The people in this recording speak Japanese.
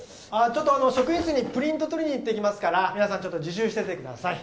ちょっと職員室にプリント取りに行ってきますから皆さんちょっと自習しててください。